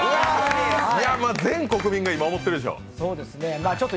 全国民が今、思ってるでしょう。